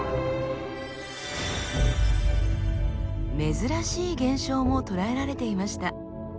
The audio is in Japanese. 珍しい現象も捉えられていました。